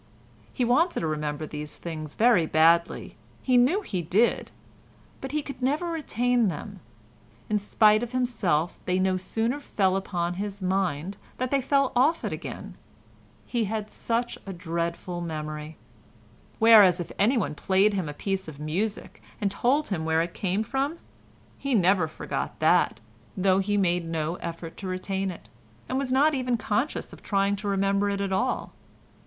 He wanted to remember these things very badly; he knew he did, but he could never retain them; in spite of himself they no sooner fell upon his mind than they fell off it again, he had such a dreadful memory; whereas, if anyone played him a piece of music and told him where it came from, he never forgot that, though he made no effort to retain it, and was not even conscious of trying to remember it at all.